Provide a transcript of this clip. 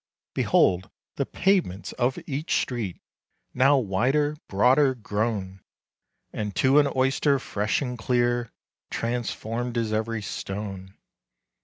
Behold, the pavements of each street Now wider, broader, grown! And to an oyster, fresh and clear, Transformed is every stone.